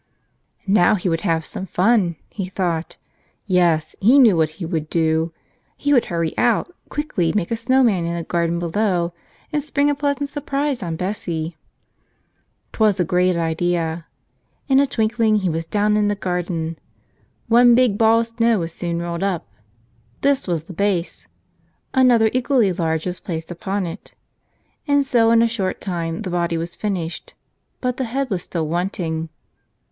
Now he would have some fun, he thought. Yes, he knew what he would do. He would hurry out, quickly make a snow man in the garden below, and spring a pleasant surprise on Bessie. 'Twas a great idea. In a twinkling he was down in the garden. One big ball of snow was soon rolled up. This was the base. Another equally large was placed upon it. And so in a short time the body was finished. But the head was still wanting.